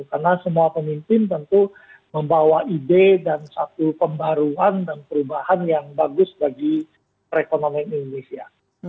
karena semua pemimpin tentu membawa ide dan satu pembaruan dan perubahan yang bagus bagi perekonomian indonesia